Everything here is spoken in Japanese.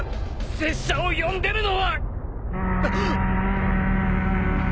拙者を呼んでるのは。